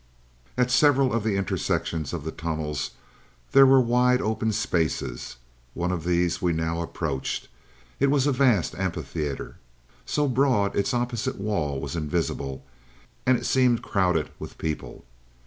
"At several of the intersections of the tunnels there were wide open spaces. One of these we now approached. It was a vast amphitheater, so broad its opposite wall was invisible, and it seemed crowded with people.